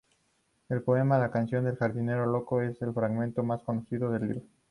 El poema "La canción del jardinero loco" es el fragmento más conocido del libro.